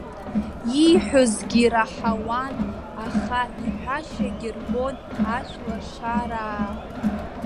Ииҳәозгьы раҳауан, аха иҳәашьагьы рбон ашәлашараа.